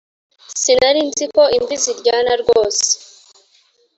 Sinarinziko imvi ziryana rwose